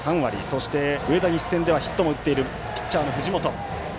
そして、上田西戦ではヒットも打っているピッチャーの藤本。